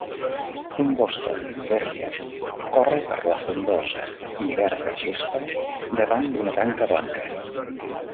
Un Boston Terrier corre per la frondosa i verda gespa davant d'una tanca blanca.